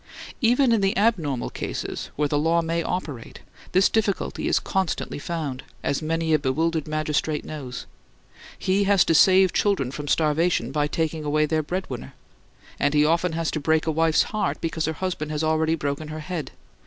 Even in the abnormal cases where the law may operate, this difficulty is constantly found; as many a bewildered magistrate knows. He has to save children from starvation by taking away their breadwinner. And he often has to break a wife's heart because her husband has already broken her head.